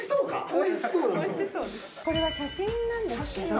これは写真なんですけど。